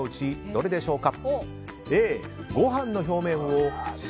どれでしょうか。